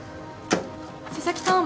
佐々木さん。